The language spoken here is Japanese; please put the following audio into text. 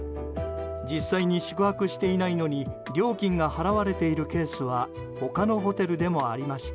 実際に宿泊していないのに料金が払われているケースは他のホテルでもありました。